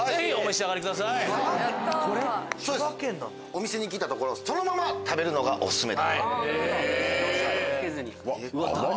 お店に聞いたところそのまま食べるのがオススメ。